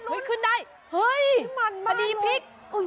เฮ้ยขึ้นได้เฮ้ยพัฒนีปิค